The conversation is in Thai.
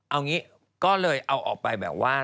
เอางี้ก็เลยเอาออกไปแบบว่า